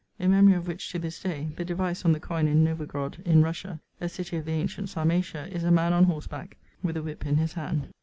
In memory of which, to this day, the device on the coin in Novogrod, in Russia, a city of the antient Sarmatia, is a man on horseback, with a whip in his hand.